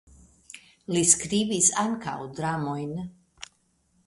Li skribis ankaŭ dramojn.